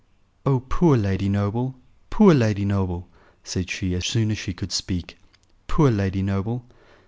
"Oh! poor Lady Noble! poor Lady Noble!" said she, as soon as she could speak. "Poor Lady Noble!"